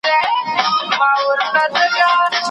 ما چي په تیارو کي د ځوانۍ کلونه خاوري کړل